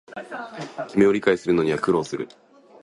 君を理解するのには苦労する